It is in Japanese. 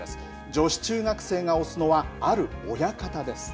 女子中学生が推すのは、ある親方です。